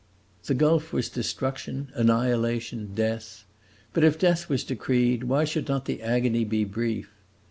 The gulf was destruction, annihilation, death; but if death was decreed, why should not the agony be brief?